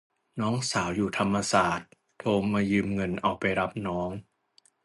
น้องสาวอยู่ธรรมศาสตร์โทรมายืมเงินเอาไปรับน้อง